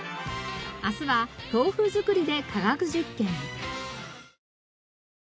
明日は豆腐づくりで化学実験。